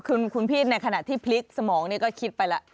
คุณพี่ในขณะที่พลิกสมองนี่ก็คิดไปแล้ว